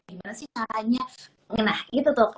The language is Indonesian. gimana sih caranya mengena gitu tuh